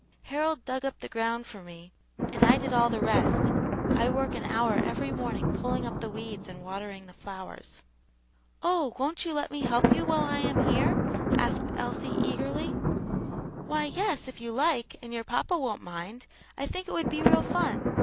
"Harold dug up the ground for me, and I did all the rest, I work an hour every morning pulling up the weeds and watering the flowers." "Oh? won't you let me help you while I am here?" asked Elsie, eagerly. "Why, yes, if you like, and your papa won't mind I think it would be real fun.